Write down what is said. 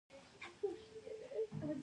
د کابل هوا سړه ده، ستا توده غیږ مه په زړه ده